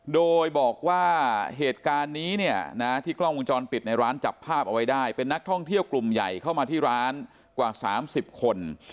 โดยบอกว่าเหตุการณ์นี้เนี่ยนะที่กล้องวงจรปิดในร้านจับภาพเอาไว้ได้เป็นนักท่องเที่ยวกลุ่มใหญ่เข้ามาที่ร้านกว่า๓๐คน